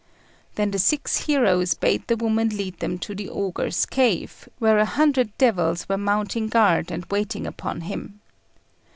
Then the six heroes bade the woman lead them to the ogre's cave, where a hundred devils were mounting guard and waiting upon him.